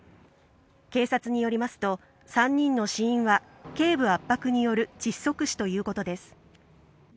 警察によりますと、３人の死因は、けい部圧迫による窒息死ということです。